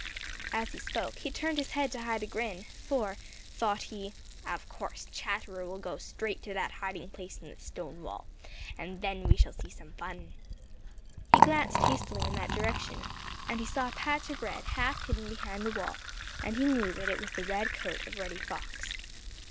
As he spoke, he turned his head to hide a grin, for, thought he, "of course Chatterer will go straight to that hiding place in the stone wall and then we shall see some fun." He glanced hastily in that direction, and he saw a patch of red half hidden behind the wall, and he knew that it was the red coat of Reddy Fox.